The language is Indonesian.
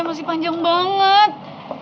masih panjang banget